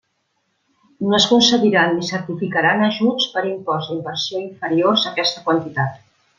No es concediran ni certificaran ajuts per imports d'inversió inferiors a aquesta quantitat.